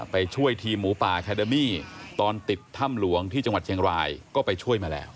ไปช่วยทีมหมูป่าคาเดมี่ตอนติดถ้ำหลวงที่จังหวัดเชียงรายก็ไปช่วยมาแล้ว